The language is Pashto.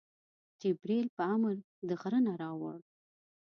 جبریل په امر د غره نه راوړ.